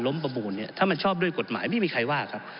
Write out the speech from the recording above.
ผมอภิปรายเรื่องการขยายสมภาษณ์รถไฟฟ้าสายสีเขียวนะครับ